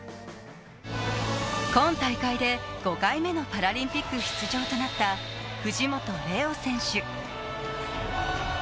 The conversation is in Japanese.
今大会で５回目のパラリンピック出場となった藤本怜央選手。